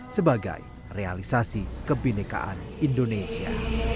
sebagai realisasi kebenekaan indonesia